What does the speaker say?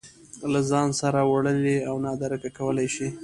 له ځان سره وړلی او نادرکه کولی شي